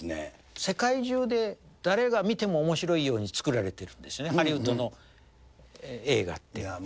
世界中で誰が見てもおもしろいように作られているんですよね、ハリウッドの映画って。